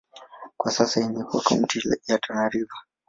Kwa sasa imekuwa kaunti ya Tana River.